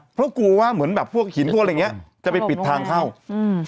เพราะกลัวว่าเหมือนแบบพวกหินพวกอะไรอย่างเงี้ยจะไปปิดทางเข้าอืม